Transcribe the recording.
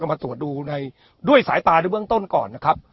มาตรวจดูในด้วยสายตาในเบื้องต้นก่อนนะครับ